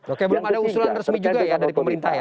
oke belum ada usulan resmi juga ya dari pemerintah ya